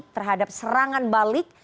terhadap serangan balik